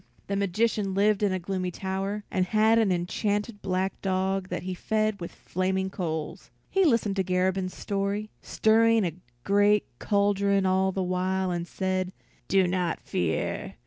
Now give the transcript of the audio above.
The magician lived in a gloomy tower, and had an enchanted black dog that he fed with flaming coals. He listened to Garabin's story, stirring a great cauldron all the while, and said, "Do not fear.